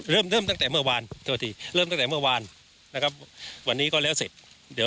เริ่มตั้งแต่เมื่อวานวันนี้ก็แล้วเสร็จ